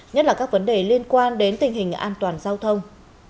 nhất là các vấn đề liên quan đến tình hình an toàn giao thông